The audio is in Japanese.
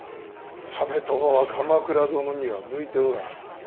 実朝は鎌倉殿には向いておらん。